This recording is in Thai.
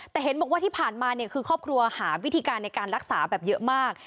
แต่เห็นบอกว่าที่ผ่านมาเนี่ยคือครอบครัวหาวิธีการในการรักษาแบบเยอะมาก